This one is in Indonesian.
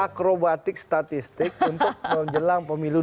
ini adalah statistik robotik untuk jelang pemilu dua ribu dua puluh satu